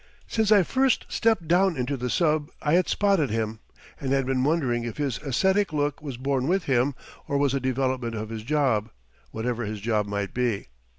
Since I first stepped down into the sub I had spotted him, and had been wondering if his ascetic look was born with him or was a development of his job whatever his job might be.